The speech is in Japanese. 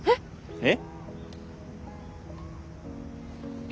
えっ。